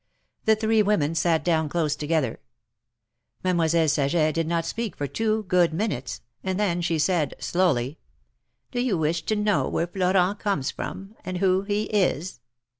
The three women sat down close together. Mademoiselle Saget did not speak for two good minutes, and then she said, slowly : Do you wish to know where Florent comes from, and who he is